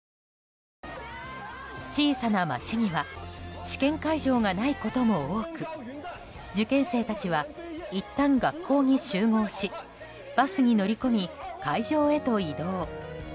小さな町には試験会場がないことも多く受験生たちはいったん学校に集合しバスに乗り込み会場へと移動。